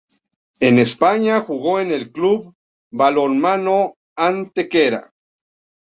En España, jugó en el Club Balonmano Antequera.